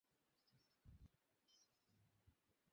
তিনি চীন, Australia, Philippine এবং ইংল্যান্ডে শিক্ষালাভ করেছেন।